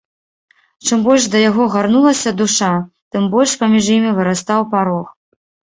Чым больш да яго гарнулася душа, тым больш паміж імі вырастаў парог.